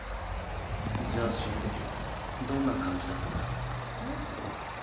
じゃあ死ぬときはどんな感じだったんだ？えっ？